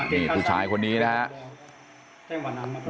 นี่ผู้ชายคนนี้นะครับ